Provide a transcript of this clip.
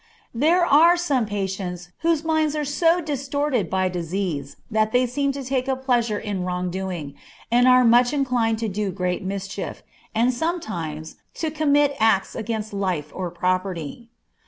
There are some patients whose minds are so distorted by disease that they seem to take a pleasure in wrong doing, and are much inclined to do great mischief, and sometimes to commit acts against life or property.